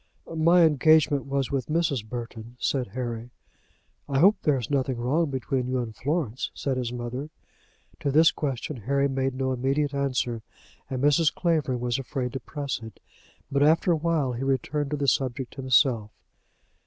"My engagement was with Mrs. Burton," said Harry. "I hope there is nothing wrong between you and Florence?" said his mother. To this question Harry made no immediate answer, and Mrs. Clavering was afraid to press it. But after a while he recurred to the subject himself.